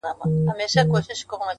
اوس هغه خلک هم لوڅي پښې روان دي٫